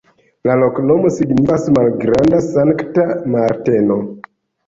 La loknomo signifas: malgranda-Sankta Marteno.